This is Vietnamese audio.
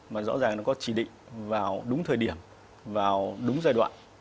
mà rõ ràng nó có chỉ định vào đúng thời điểm vào đúng giai đoạn